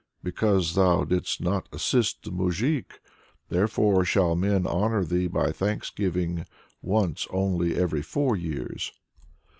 Because thou didst not assist the moujik, therefore shall men honor thee by thanksgiving once only every four years.